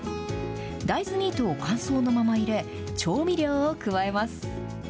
大豆ミートを乾燥のまま入れ、調味料を加えます。